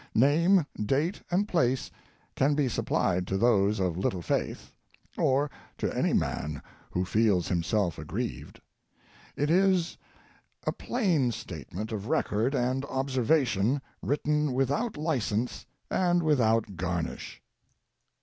Name, date and place can be supplied to those of little faith— or to any man who feels himself aggrieved. It is a plain statement of record and observation, written without license and without garnish.